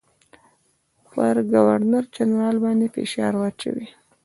پر ګورنرجنرال باندي فشار واچوي.